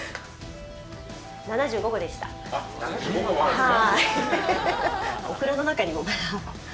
あっ７５個もあるんですか。